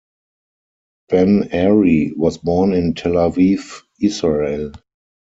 Ben-Ari was born in Tel Aviv, Israel.